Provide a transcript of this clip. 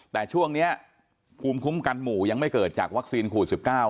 แต่ช่วงนี้ภูมิคุ้มกันหมู่ยังไม่เกิดจากวัคซีนโควิด๑๙